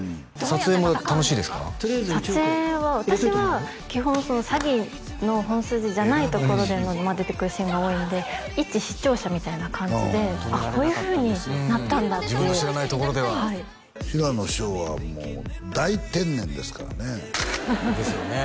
撮影は私は基本詐欺の本筋じゃないところで出てくるシーンが多いんで一視聴者みたいな感じであっこういうふうになったんだっていう自分の知らないところでははい平野紫耀はもう大天然ですからねですよね